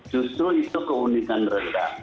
justru itu keunikan rendang